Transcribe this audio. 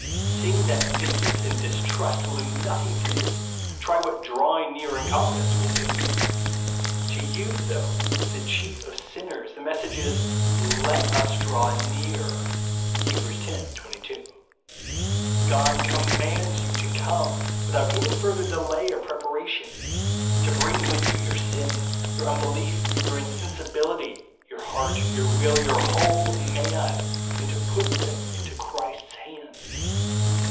See insc that distance and distrust will do no thing for you, try what " drawing near " and confidence will do. To you, though the chief of sinners, the message is, " Let us draw near," (Heb. x. 22). God com mands you to come, without any further delay or preparation ; to bring mth you 158 INSENSIBILITY. your sins, your unbelief, your insensibility, your heart, your will, your whole man, and to put them into Christ's hands.